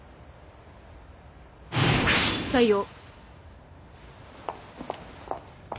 採用。